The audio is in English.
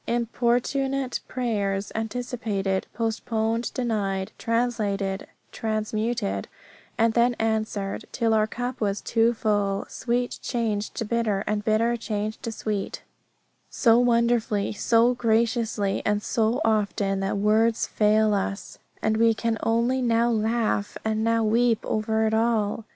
Importunate prayers anticipated, postponed, denied, translated, transmuted, and then answered till our cup was too full; sweet changed to bitter, and bitter changed to sweet, so wonderfully, so graciously, and so often, that words fail us, and we can only now laugh and now weep over it all.